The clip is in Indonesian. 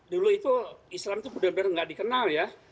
dulu itu islam itu benar benar nggak dikenal ya